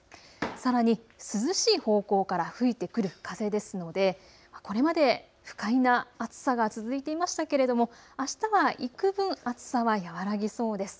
さらに涼しい方向から吹いてくる風ですのでこれまで不快な暑さが続いていましたけれどもあしたはいくぶん暑さは和らぎそうです。